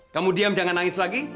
kamu diam jangan nangis lagi